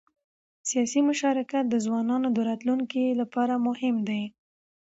سیاسي مشارکت د ځوانانو د راتلونکي لپاره مهم دی